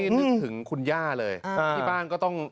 นึกถึงคุณย่าเลยที่บ้านก็ต้อง